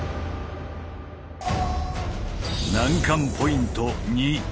難関ポイント２。